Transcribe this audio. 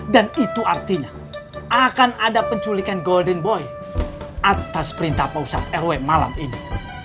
dan itu artinya akan ada penculikan golden boy atas perintah pausat rw malam ini